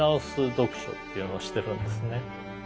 読書っていうのをしてるんですね。